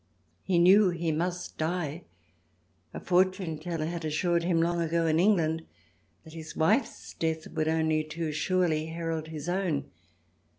He knew he must die ; a fortune teller had assured him long ago in England that his wife's death would only too surely herald his own.